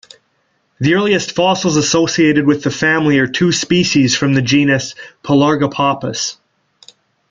The earliest fossils associated with the family are two species from the genus "Pelargopappus".